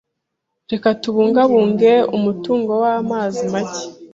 Reka tubungabunge umutungo wamazi make.